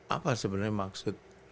apa sebenarnya maksud